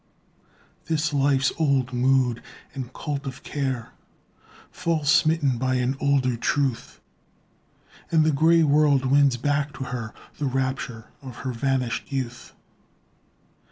This life's old mood and cult of care Falls smitten by an older truth, And the gray world wins back to her The rapture of her vanished youth.